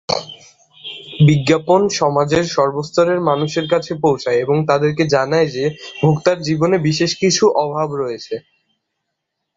বিজ্ঞাপন সমাজের সর্বস্তরের মানুষের কাছে পৌঁছায়, এবং তাদেরকে জানায় যে ভোক্তার জীবনে বিশেষ কিছু অভাব রয়েছে।